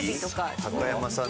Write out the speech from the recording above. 高山さん